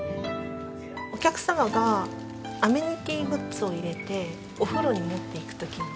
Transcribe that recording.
お客様がアメニティーグッズを入れてお風呂に持っていく時の。